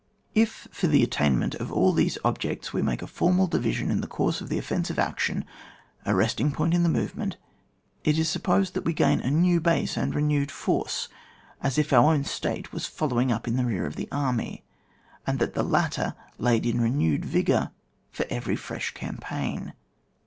If for the attainment of all these ob jects w« make a formal division in the course of the offensive action, a resting point in the movement, it is supposed that we gain a new base and renewed force, as if our own State was following up in the rear of the army, and that the latter laid in renewed vigour for every fresh campaign.